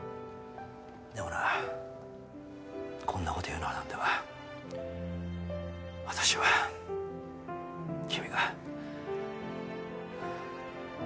でもなこんなこと言うのはなんだが私は君が。